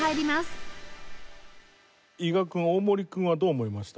伊賀君大森君はどう思いました？